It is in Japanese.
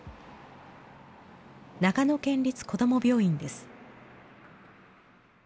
長野県立こども病院です。